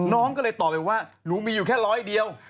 น้องก็เลยตอบไปว่าหนูมีอยู่แค่ร้อยเดียว